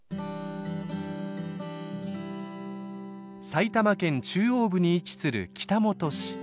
埼玉県中央部に位置する北本市。